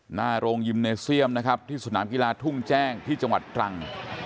หน้าโรงยิมเนเซียมนะครับที่สนามกีฬาทุ่งแจ้งที่จังหวัดตรัง